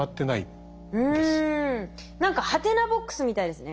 何か「はてなボックス」みたいですね。